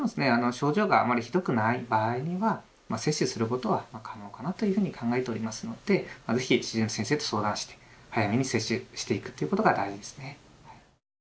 症状があまりひどくない場合には接種することは可能かなというふうに考えておりますので是非主治医の先生と相談して早めに接種していくということが大事ですね。